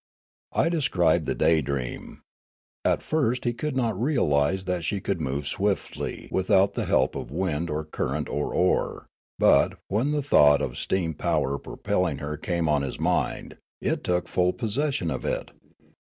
I described the Daydreatti. At first he could not realise that she could move swiftly without the help of wind or current or oar ; but, when the thought of steam power propelling her came on his mind, it took full possession of it.